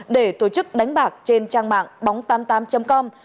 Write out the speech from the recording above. để tổ chức đánh bạc trên trang mạng bóng tám mươi tám com